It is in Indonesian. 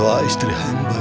abie kan tau bi